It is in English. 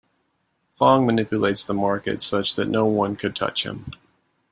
Fong manipulates the market such that no one could touch him.